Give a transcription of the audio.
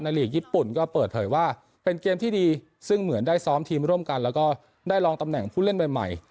ลีกญี่ปุ่นก็เปิดเผยว่าเป็นเกมที่ดีซึ่งเหมือนได้ซ้อมทีมร่วมกันแล้วก็ได้ลองตำแหน่งผู้เล่นใหม่